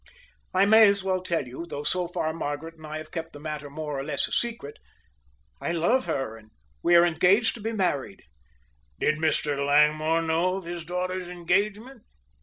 I may as well tell you, though so far Margaret and I have kept the matter more or less a secret. I love her and we are engaged to be married." "Did Mr. Langmore know of his daughter's engagement?"